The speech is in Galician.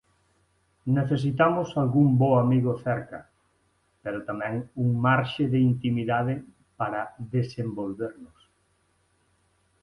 Necesitamos algún bo amigo cerca, pero tamén un marxe de intimidade para desenvolvernos.